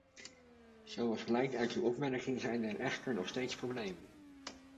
Zoals blijkt uit uw opmerking zijn er echter nog steeds problemen.